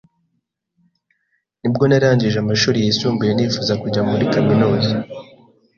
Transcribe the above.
nibwo narangije amashuri yisumbuye nifuza kujya muri kaminuza